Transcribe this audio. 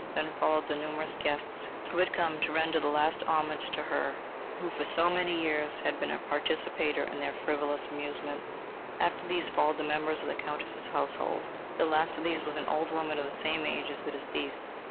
Then followed the numerous guests, who had come to render the last homage to her who for so many years had been a participator in their frivolous amusements. After these followed the members of the Countess's household. The last of these was an old woman of the same age as the deceased.